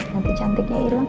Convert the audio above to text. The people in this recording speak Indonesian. nanti cantiknya ilang